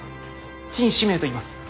陳志明といいます。